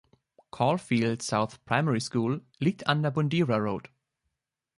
Caulfield South Primary School liegt an der Bundeera Road.